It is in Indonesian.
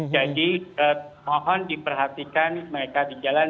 jadi mohon diperhatikan mereka di jalan